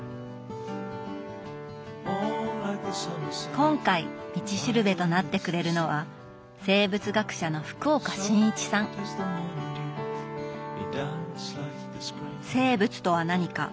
今回「道しるべ」となってくれるのは「生物とは何か」